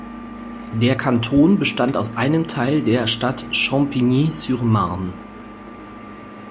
Der Kanton bestand aus einem Teil der Stadt Champigny-sur-Marne.